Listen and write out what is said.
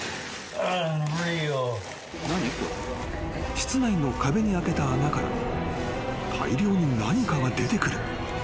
［室内の壁に開けた穴から大量に何かが出てくる。